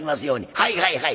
「はいはいはい。